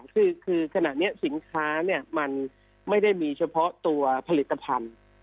คือขณะนี้สินค้ามันไม่ได้มีเฉพาะตัวผลิตภัณฑ์